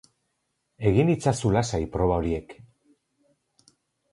Egin itzazu lasai proba horiek